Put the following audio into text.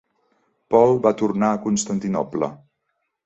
Paul va tornar a Constantinoble.